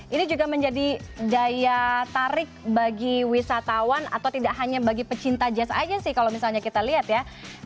ini juga menjadi daya tarik bagi wisatawan atau tidak hanya bagi pecinta jazz aja sih kalau misalnya kita lihat ya